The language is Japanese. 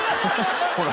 ほら。